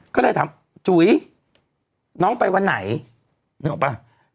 ก็เลยถามจุ๋ยน้องไปวันไหนนึกออกป่ะ